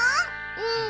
うん。